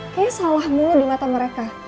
kayaknya salah mulu di mata mereka